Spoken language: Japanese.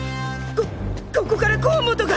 こここから甲本が！